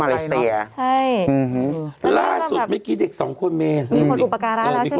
อื้อฮือล่าสุดไม่กี่เด็กสองคนมีคนอุปการะแล้วใช่ไหม